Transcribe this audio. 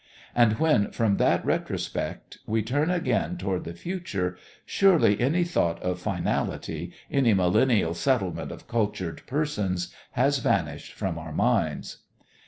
And when, from that retrospect, we turn again toward the future, surely any thought of finality, any millennial settlement of cultured persons, has vanished from our minds.